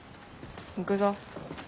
行くぞ。